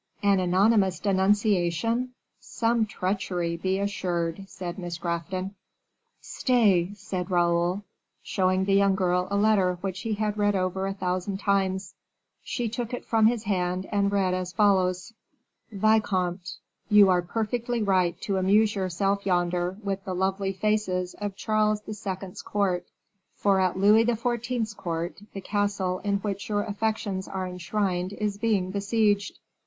"An anonymous denunciation! some treachery, be assured," said Miss Grafton. "Stay," said Raoul, showing the young girl a letter which he had read over a thousand times; she took it from his hand and read as follows: "VICOMTE, You are perfectly right to amuse yourself yonder with the lovely faces of Charles II.'s court, for at Louis XIV.'s court, the castle in which your affections are enshrined is being besieged.